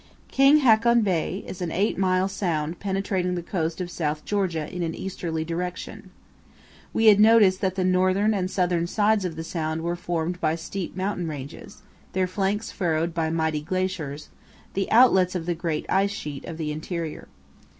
King Haakon Bay is an eight mile sound penetrating the coast of South Georgia in an easterly direction. We had noticed that the northern and southern sides of the sound were formed by steep mountain ranges, their flanks furrowed by mighty glaciers, the outlets of the great ice sheet of the interior.